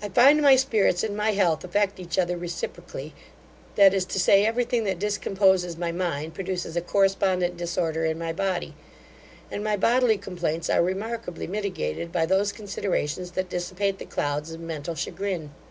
I find my spirits and my health affect each other reciprocally that is to say, every thing that discomposes my mind, produces a correspondent disorder in my body; and my bodily complaints are remarkably mitigated by those considerations that dissipate the clouds of mental chagrin.